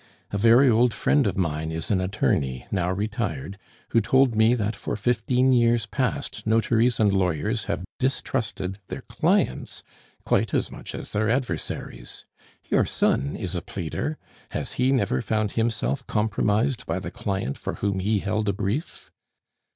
A very old friend of mine is an attorney, now retired, who told me that for fifteen years past notaries and lawyers have distrusted their clients quite as much as their adversaries. Your son is a pleader; has he never found himself compromised by the client for whom he held a brief?"